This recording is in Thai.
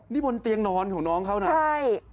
นี่บนเตียงนอนของน้องเขานะใช่